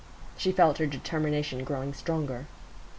She felt her determination growing stronger.